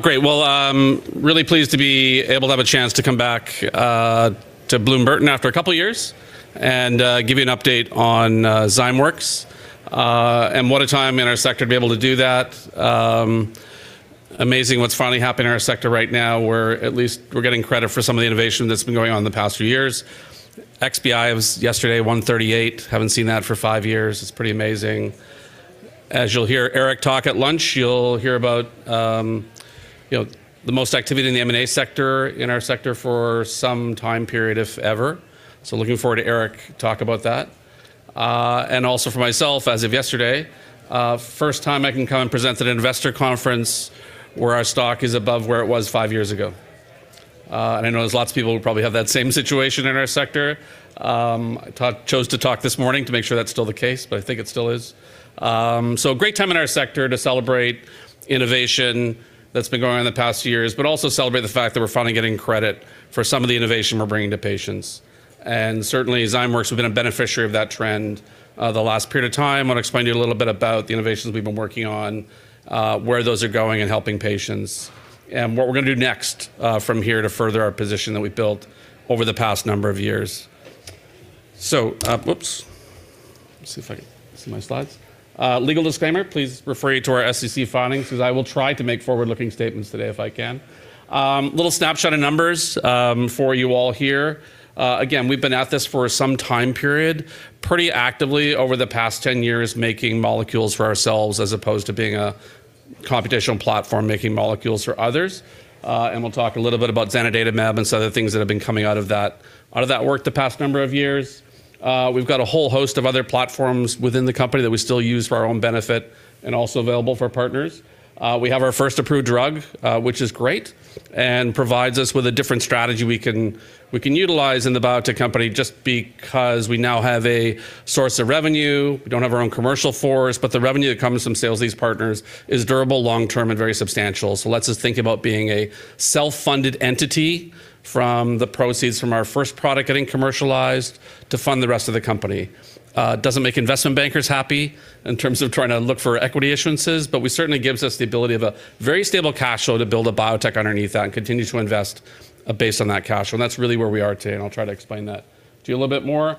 Great. Well, I'm really pleased to be able to have a chance to come back to Bloom Burton after a couple of years and give you an update on Zymeworks. What a time in our sector to be able to do that. Amazing what's finally happening in our sector right now, where at least we're getting credit for some of the innovation that's been going on in the past few years. XBI was yesterday, 138. Haven't seen that for five years. It's pretty amazing. As you'll hear Eric talk at lunch, you'll hear about the most activity in the M&A sector, in our sector for some time period, if ever. Looking forward to Eric talk about that. Also for myself, as of yesterday, first time I can come and present at an investor conference where our stock is above where it was five years ago. I know there's lots of people who probably have that same situation in our sector. I chose to talk this morning to make sure that's still the case, but I think it still is. Great time in our sector to celebrate innovation that's been going on in the past years, but also celebrate the fact that we're finally getting credit for some of the innovation we're bringing to patients. Certainly, Zymeworks has been a beneficiary of that trend the last period of time. I want to explain to you a little bit about the innovations we've been working on, where those are going and helping patients, and what we're going to do next from here to further our position that we've built over the past number of years. Legal disclaimer, please refer to our SEC filings, because I will try to make forward-looking statements today if I can. A little snapshot of numbers for you all here. Again, we've been at this for some time period, pretty actively over the past 10 years, making molecules for ourselves as opposed to being a computational platform making molecules for others. We'll talk a little bit about zanidatamab and some of the things that have been coming out of that work the past number of years. We've got a whole host of other platforms within the company that we still use for our own benefit and also available for partners. We have our first approved drug, which is great and provides us with a different strategy we can utilize in the biotech company just because we now have a source of revenue. We don't have our own commercial force, but the revenue that comes from sales of these partners is durable, long-term, and very substantial. Lets us think about being a self-funded entity from the proceeds from our first product getting commercialized to fund the rest of the company. Doesn't make investment bankers happy in terms of trying to look for equity issuances, but certainly gives us the ability of a very stable cash flow to build a biotech underneath that and continue to invest based on that cash flow, and that's really where we are today, and I'll try to explain that to you a little bit more.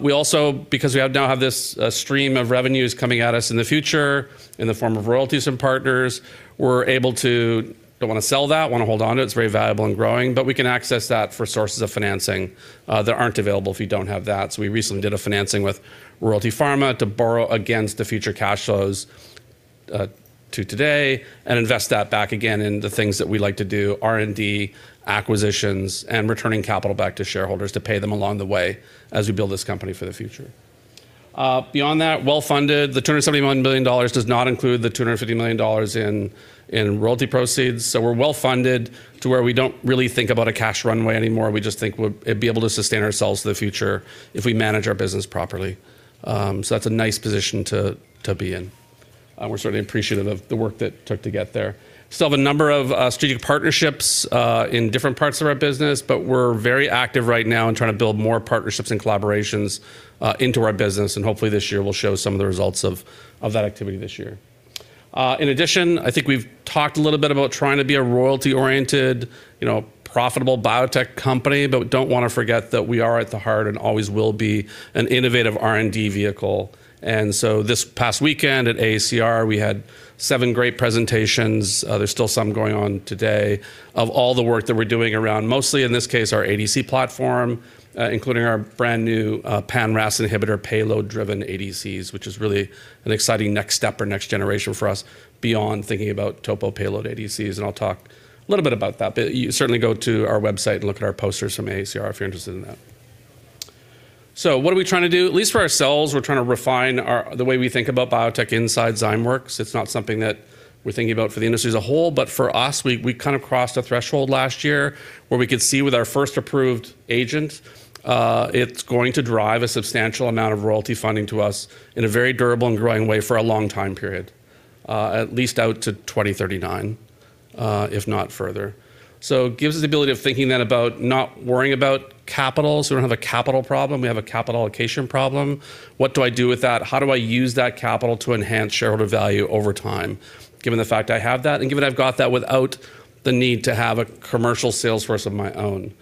We also, because we now have this stream of revenues coming at us in the future in the form of royalties and partners, don't want to sell that, want to hold onto it's very valuable and growing, but we can access that for sources of financing that aren't available if you don't have that. We recently did a financing with Royalty Pharma to borrow against the future cash flows to today and invest that back again in the things that we like to do, R&D, acquisitions, and returning capital back to shareholders to pay them along the way as we build this company for the future. Beyond that, we're well-funded. The $271 million does not include the $250 million in royalty proceeds. We're well-funded to where we don't really think about a cash runway anymore. We just think it'd be able to sustain ourselves in the future if we manage our business properly. That's a nice position to be in. We're certainly appreciative of the work that took to get there. Still have a number of strategic partnerships in different parts of our business, but we're very active right now in trying to build more partnerships and collaborations into our business, and hopefully this year we'll show some of the results of that activity this year. In addition, I think we've talked a little bit about trying to be a royalty-oriented, profitable biotech company, but don't want to forget that we are at the heart, and always will be, an innovative R&D vehicle. This past weekend at AACR, we had seven great presentations, there's still some going on today, of all the work that we're doing around mostly, in this case, our ADC platform, including our brand-new pan-RAS inhibitor payload-driven ADCs, which is really an exciting next step or next generation for us beyond thinking about topo payload ADCs, and I'll talk a little bit about that. You can certainly go to our website and look at our posters from AACR if you're interested in that. What are we trying to do? At least for ourselves, we're trying to refine the way we think about biotech inside Zymeworks. It's not something that we're thinking about for the industry as a whole, but for us, we kind of crossed a threshold last year where we could see with our first approved agent, it's going to drive a substantial amount of royalty funding to us in a very durable and growing way for a long time period, at least out to 2039, if not further. It gives us the ability of thinking then about not worrying about capital. We don't have a capital problem, we have a capital allocation problem. What do I do with that? How do I use that capital to enhance shareholder value over time, given the fact I have that, and given I've got that without the need to have a commercial sales force of my own?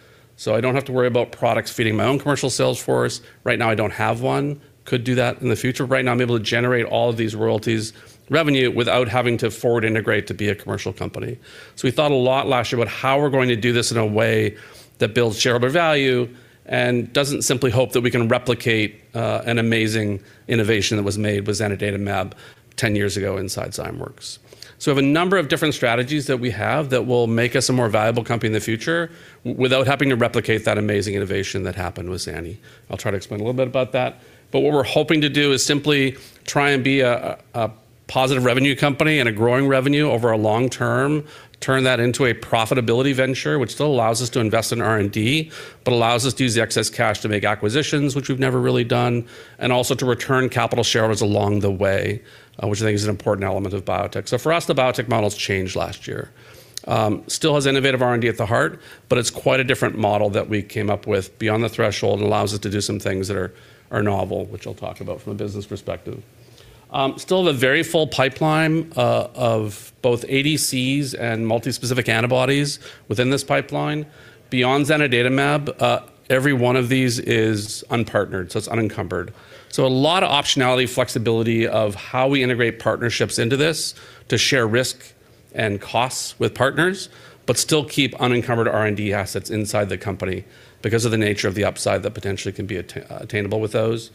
I don't have to worry about products feeding my own commercial sales force. Right now, I don't have one. Could do that in the future. Right now, I'm able to generate all of these royalties revenue without having to forward integrate to be a commercial company. We thought a lot last year about how we're going to do this in a way that builds shareholder value and doesn't simply hope that we can replicate an amazing innovation that was made with zanidatamab 10 years ago inside Zymeworks. We have a number of different strategies that we have that will make us a more valuable company in the future without having to replicate that amazing innovation that happened with zanidatamab. I'll try to explain a little bit about that, but what we're hoping to do is simply try and be a positive revenue company and a growing revenue over a long-term, turn that into a profitability venture, which still allows us to invest in R&D, but allows us to use the excess cash to make acquisitions, which we've never really done, and also to return capital to shareholders along the way, which I think is an important element of biotech. For us, the biotech model's changed last year. Still has innovative R&D at the heart, but it's quite a different model that we came up with beyond the threshold, and allows us to do some things that are novel, which I'll talk about from a business perspective. We still have a very full pipeline of both ADCs and multi-specific antibodies within this pipeline. Beyond zanidatamab, every one of these is unpartnered, so it's unencumbered. A lot of optionality, flexibility of how we integrate partnerships into this to share risk and costs with partners, but still keep unencumbered R&D assets inside the company because of the nature of the upside that potentially can be attainable with those.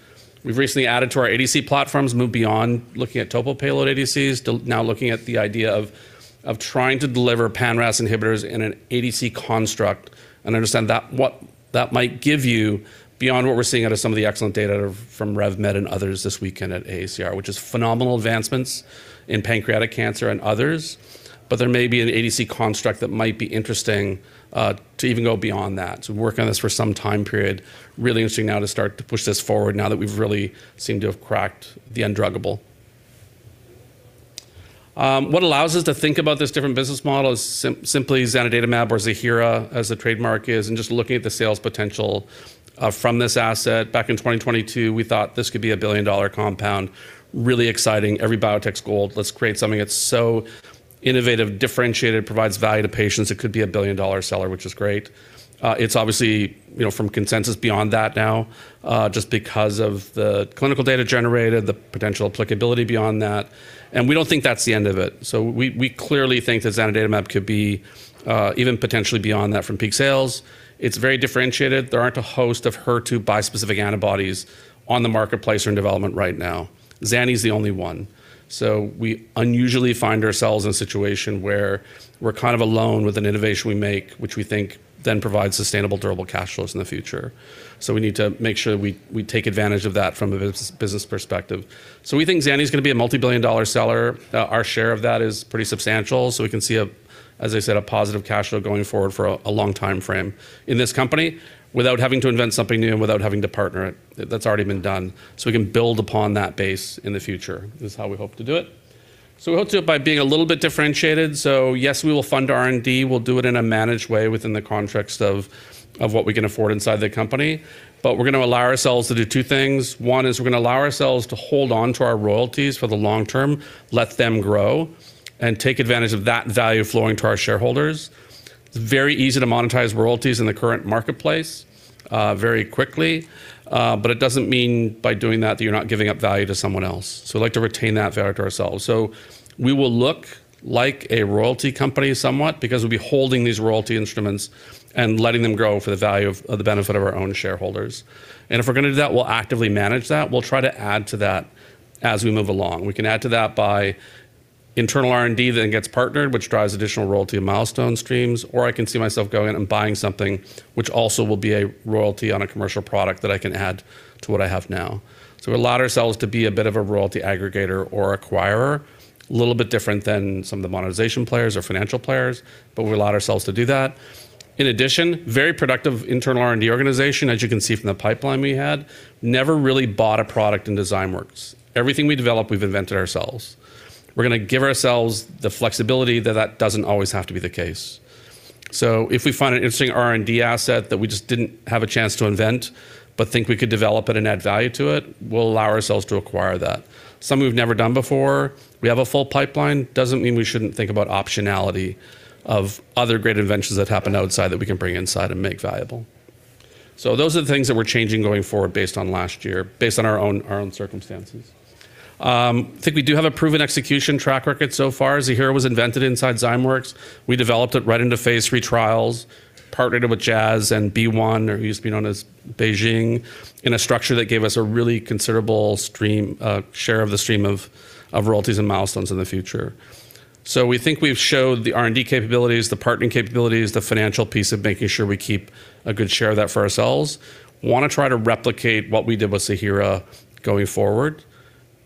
We've recently added to our ADC platforms, moved beyond looking at topo payload ADCs to now looking at the idea of trying to deliver pan-RAS inhibitors in an ADC construct and understand what that might give you beyond what we're seeing out of some of the excellent data from RevMed and others this weekend at AACR, which is phenomenal advancements in pancreatic cancer and others. There may be an ADC construct that might be interesting to even go beyond that. We're working on this for some time period. Really interesting now to start to push this forward now that we've really seemed to have cracked the undruggable. What allows us to think about this different business model is simply zanidatamab or Ziihera, as the trademark is, and just looking at the sales potential from this asset. Back in 2022, we thought this could be a billion-dollar compound. Really exciting. Every biotech's gold. Let's create something that's so innovative, differentiated, provides value to patients. It could be a billion-dollar seller, which is great. It's obviously above consensus beyond that now, just because of the clinical data generated, the potential applicability beyond that, and we don't think that's the end of it. We clearly think that zanidatamab could be even potentially beyond that from peak sales. It's very differentiated. There aren't a host of HER2 bispecific antibodies on the marketplace or in development right now. Zani's the only one. We unusually find ourselves in a situation where we're kind of alone with an innovation we make, which we think then provides sustainable, durable cash flows in the future. We need to make sure that we take advantage of that from a business perspective. We think zanidatamab's going to be a multi-billion-dollar seller. Our share of that is pretty substantial. We can see, as I said, a positive cash flow going forward for a long timeframe in this company without having to invent something new and without having to partner it. That's already been done. We can build upon that base in the future, is how we hope to do it. We hope to do it by being a little bit differentiated. Yes, we will fund R&D. We'll do it in a managed way within the context of what we can afford inside the company. We're going to allow ourselves to do two things. One is we're going to allow ourselves to hold onto our royalties for the long-term, let them grow, and take advantage of that value flowing to our shareholders. It's very easy to monetize royalties in the current marketplace, very quickly. It doesn't mean by doing that you're not giving up value to someone else. We'd like to retain that value to ourselves. We will look like a royalty company somewhat because we'll be holding these royalty instruments and letting them grow for the value of the benefit of our own shareholders. If we're going to do that, we'll actively manage that. We'll try to add to that as we move along. We can add to that by internal R&D that then gets partnered, which drives additional royalty and milestone streams, or I can see myself going and buying something which also will be a royalty on a commercial product that I can add to what I have now. We allow ourselves to be a bit of a royalty aggregator or acquirer, a little bit different than some of the monetization players or financial players, but we allow ourselves to do that. In addition, very productive internal R&D organization, as you can see from the pipeline we had. Never really bought a product in Zymeworks. Everything we developed, we've invented ourselves. We're going to give ourselves the flexibility that that doesn't always have to be the case. If we find an interesting R&D asset that we just didn't have a chance to invent, but think we could develop it and add value to it, we'll allow ourselves to acquire that. Something we've never done before. We have a full pipeline. Doesn't mean we shouldn't think about optionality of other great inventions that happened outside that we can bring inside and make valuable. Those are the things that we're changing going forward based on last year, based on our own circumstances. I think we do have a proven execution track record so far. Ziihera was invented inside Zymeworks. We developed it right into phase III trials, partnered it with Jazz and BeOne, or who used to be known as BeiGene, in a structure that gave us a really considerable share of the stream of royalties and milestones in the future. We think we've showed the R&D capabilities, the partnering capabilities, the financial piece of making sure we keep a good share of that for ourselves. We want to try to replicate what we did with Ziihera going forward.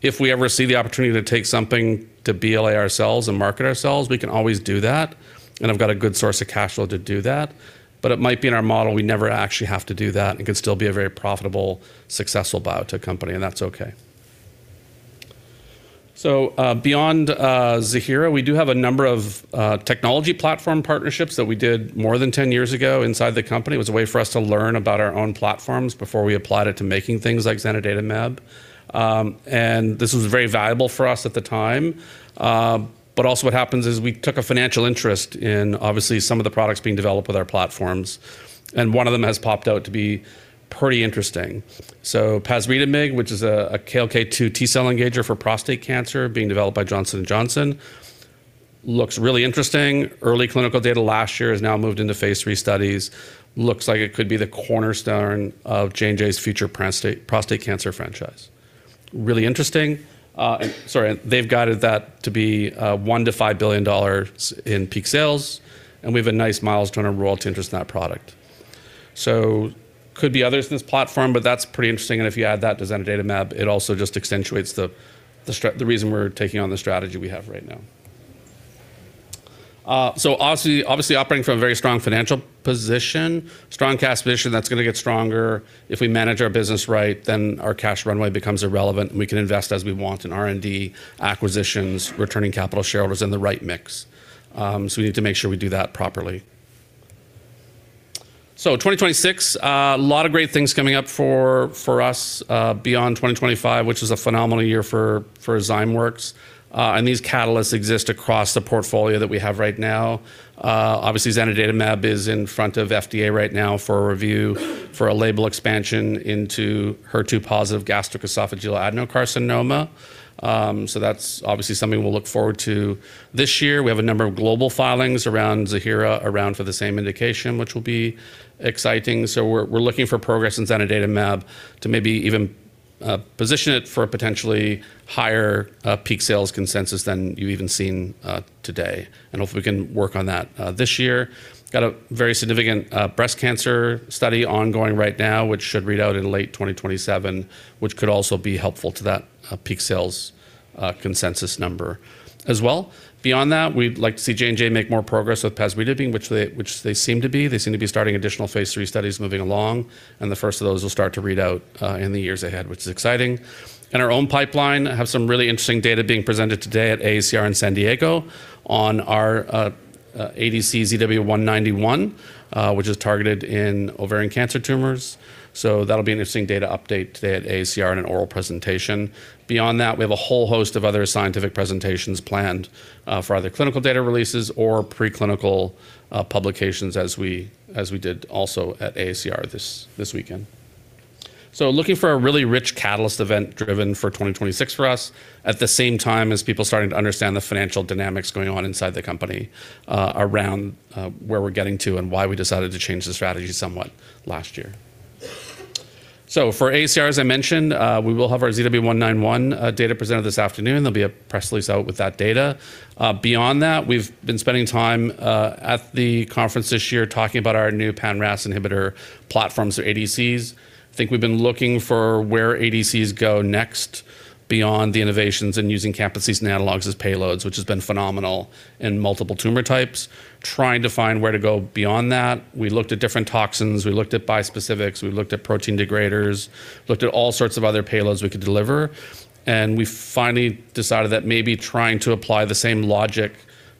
If we ever see the opportunity to take something to BLA ourselves and market ourselves, we can always do that, and have got a good source of cash flow to do that. But it might be in our model, we never actually have to do that and can still be a very profitable, successful biotech company, and that's okay. Beyond Ziihera, we do have a number of technology platform partnerships that we did more than 10 years ago inside the company. It was a way for us to learn about our own platforms before we applied it to making things like zanidatamab. This was very valuable for us at the time. Also, what happens is we took a financial interest in obviously some of the products being developed with our platforms, and one of them has popped out to be pretty interesting. Pasritamig, which is a KLK2 T-cell engager for prostate cancer being developed by Johnson & Johnson, looks really interesting. Early clinical data last year has now moved into phase III studies. Looks like it could be the cornerstone of J&J's future prostate cancer franchise. Really interesting. Sorry, they've guided that to be $1 billion-$5 billion in peak sales, and we have a nice milestone and royalty interest in that product. Could be others in this platform, but that's pretty interesting, and if you add that to zanidatamab, it also just accentuates the reason we're taking on the strategy we have right now. Obviously operating from a very strong financial position, strong cash position that's going to get stronger. If we manage our business right, then our cash runway becomes irrelevant, and we can invest as we want in R&D, acquisitions, returning capital to shareholders in the right mix. We need to make sure we do that properly. 2026, a lot of great things coming up for us beyond 2025, which is a phenomenal year for Zymeworks. These catalysts exist across the portfolio that we have right now. Obviously, zanidatamab is in front of FDA right now for a review for a label expansion into HER2-positive gastroesophageal adenocarcinoma. That's obviously something we'll look forward to this year. We have a number of global filings around Ziihera for the same indication, which will be exciting. We're looking for progress in zanidatamab to maybe even position it for a potentially higher peak sales consensus than you've ever seen today. Hopefully, we can work on that this year. We've got a very significant breast cancer study ongoing right now, which should read out in late 2027, which could also be helpful to that peak sales consensus number as well. Beyond that, we'd like to see J&J make more progress with pasritamig, which they seem to be. They seem to be starting additional phase III studies moving along, and the first of those will start to read out in the years ahead, which is exciting. In our own pipeline, I have some really interesting data being presented today at AACR in San Diego on our ADC ZW191, which is targeted in ovarian cancer tumors. That'll be an interesting data update today at AACR in an oral presentation. Beyond that, we have a whole host of other scientific presentations planned for either clinical data releases or preclinical publications as we did also at AACR this weekend. Looking for a really rich catalyst event driven for 2026 for us, at the same time, as people starting to understand the financial dynamics going on inside the company, around where we're getting to and why we decided to change the strategy somewhat last year. For AACR, as I mentioned, we will have our ZW191 data presented this afternoon. There'll be a press release out with that data. Beyond that, we've been spending time at the conference this year talking about our new pan-RAS inhibitor platforms or ADCs. I think we've been looking for where ADCs go next beyond the innovations and using camptothecin analogs as payloads, which has been phenomenal in multiple tumor types. Trying to find where to go beyond that, we looked at different toxins, we looked at bispecifics, we looked at protein degraders, looked at all sorts of other payloads we could deliver. We finally decided that maybe trying to apply the same logic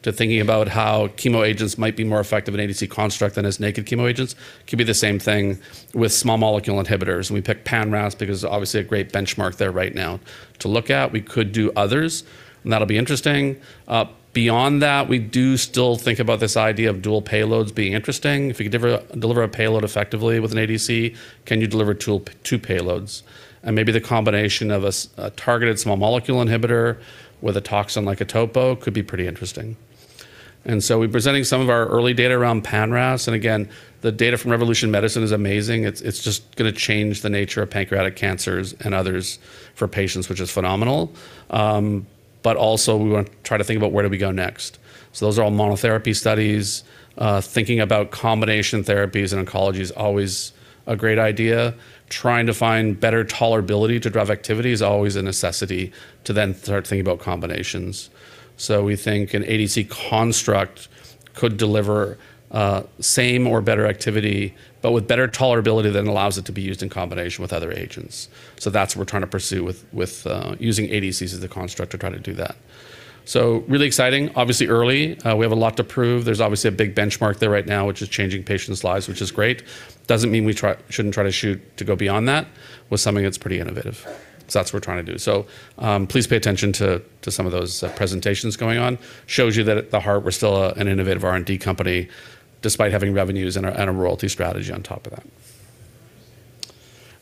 to thinking about how chemo agents might be more effective in ADC construct than as naked chemo agents could be the same thing with small molecule inhibitors. We picked pan-RAS because there's obviously a great benchmark there right now to look at. We could do others, and that'll be interesting. Beyond that, we do still think about this idea of dual payloads being interesting. If you could deliver a payload effectively with an ADC, can you deliver two payloads? Maybe the combination of a targeted small molecule inhibitor with a toxin like a TOPO could be pretty interesting. We're presenting some of our early data around pan-RAS. Again, the data from Revolution Medicines is amazing. It's just going to change the nature of pancreatic cancers and others for patients, which is phenomenal. Also, we want to try to think about where do we go next? Those are all monotherapy studies. Thinking about combination therapies and oncology is always a great idea. Trying to find better tolerability to drive activity is always a necessity to then start thinking about combinations. We think an ADC construct could deliver same or better activity, but with better tolerability that allows it to be used in combination with other agents. That's what we're trying to pursue with using ADCs as a construct to try to do that. Really exciting. Obviously early. We have a lot to prove. There's obviously a big benchmark there right now, which is changing patients' lives, which is great. Doesn't mean we shouldn't try to shoot to go beyond that with something that's pretty innovative. That's what we're trying to do. Please pay attention to some of those presentations going on. Shows you that at the heart, we're still an innovative R&D company despite having revenues and a royalty strategy on top of that.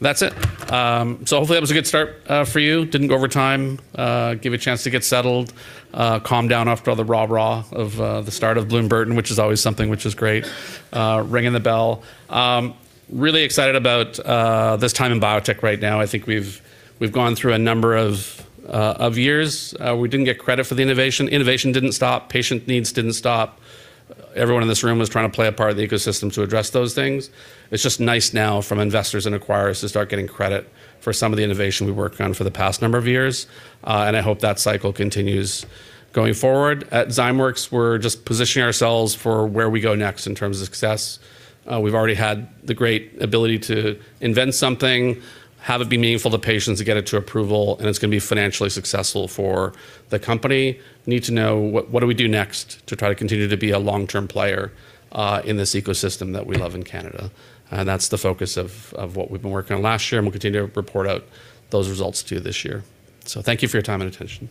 That's it. Hopefully that was a good start for you. Didn't go over time. Give you a chance to get settled, calm down after all the rah rah of the start of Bloom Burton, which is always something which is great, ringing the bell. Really excited about this time in biotech right now. I think we've gone through a number of years. We didn't get credit for the innovation. Innovation didn't stop. Patient needs didn't stop. Everyone in this room was trying to play a part in the ecosystem to address those things. It's just nice now from investors and acquirers to start getting credit for some of the innovation we worked on for the past number of years. I hope that cycle continues going forward. At Zymeworks, we're just positioning ourselves for where we go next in terms of success. We've already had the great ability to invent something, have it be meaningful to patients to get it to approval, and it's going to be financially successful for the company. Need to know what we do next to try to continue to be a long-term player in this ecosystem that we love in Canada. That's the focus of what we've been working on last year, and we'll continue to report out those results to you this year. Thank you for your time and attention.